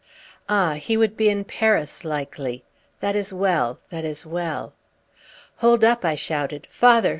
"Ah! he would be in Paris, likely. That is well! That is well!" "Hold up!" I shouted. "Father!